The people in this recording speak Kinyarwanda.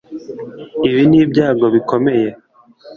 ibi ni ibyago bikomeye